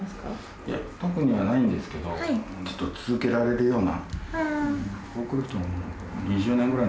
いや、特にはないんですけど、ずっと続けられるような。